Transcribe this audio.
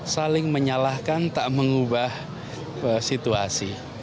saling menyalahkan tak mengubah situasi